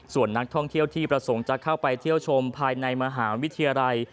ส่วนนักท่องเที่ยวที่ประสงค์จะเข้าไปเที่ยวชมภายในมหาวิทยาลัย